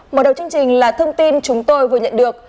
mở đầu chương trình là thông tin chúng tôi vừa nhận được